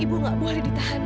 ibu nggak boleh ditahan